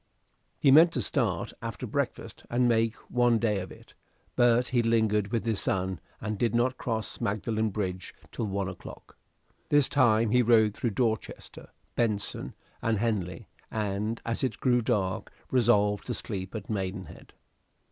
He meant to start after breakfast and make one day of it, but he lingered with his son, and did not cross Magdalen Bridge till one o'clock. This time he rode through Dorchester, Benson, and Henley, and, as it grew dark, resolved to sleep at Maidenhead.